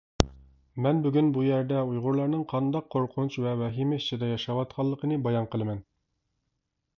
مەن بۈگۈن بۇ يەردە ئۇيغۇرلارنىڭ قانداق قورقۇنچ ۋە ۋەھىمە ئىچىدە ياشاۋاتقانلىقىنى بايان قىلىمەن.